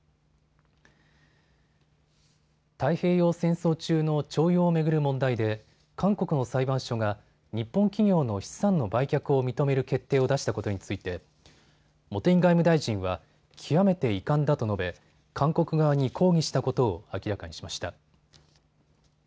太平洋戦争中の徴用を巡る問題で韓国の裁判所が日本企業の資産の売却を認める決定を出したことについて茂木外務大臣は極めて遺憾だと述べ、韓国側に抗議したことを明らかにしました。